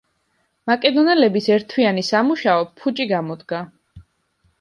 მაკედონელების ერთთვიანი სამუშაო ფუჭი გამოდგა.